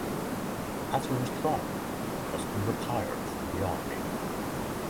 After his trial, Preston retired from the army.